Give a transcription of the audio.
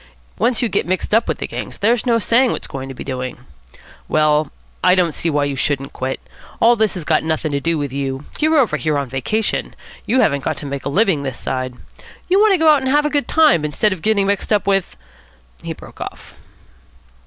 Once you get mixed up with the gangs there's no saying what's going to be doing. Well, I don't see why you shouldn't quit. All this has got nothing to do with you. You're over here on a vacation. You haven't got to make a living this side. You want to go about and have a good time, instead of getting mixed up with " He broke off.